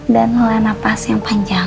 dan nelan nafas yang panjang